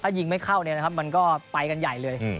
ยิงไม่เข้าเนี่ยนะครับมันก็ไปกันใหญ่เลย